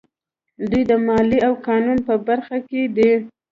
دوی د مالیې او قانون په برخه کې دي.